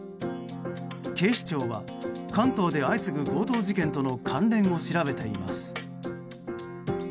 警視庁は関東で相次ぐ強盗事件との関連を調べています。